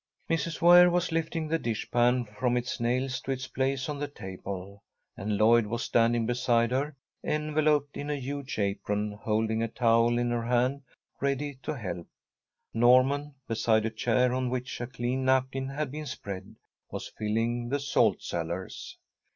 Mrs. Ware was lifting the dish pan from its nail to its place on the table, and Lloyd was standing beside her, enveloped in a huge apron, holding a towel in her hands, ready to help. Norman, beside a chair on which a clean napkin had been spread, was filling the salt cellars.